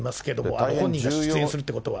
あとご本人が出演するということは。